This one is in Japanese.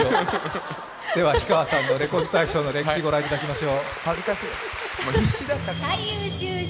では氷川さんの「レコード大賞」の歴史ご覧いただきましょう。